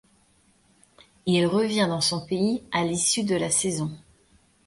Il revient dans son pays à l'issue de la saison.